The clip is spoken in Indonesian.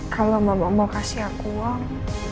kalau mama mau kasih aku uang